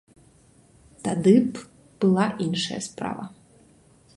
Тады б была іншая справа.